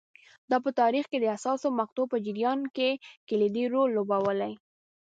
دا په تاریخ د حساسو مقطعو په جریان کې کلیدي رول لوبولی